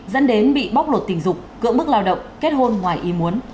dẫn đến bị bóc lột tình dục cưỡng bức lao động kết hôn ngoài ý muốn